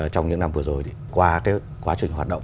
trong những năm vừa rồi thì qua quá trình hoạt động